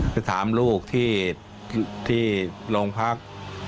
คือถามลูกที่โรงพักษณ์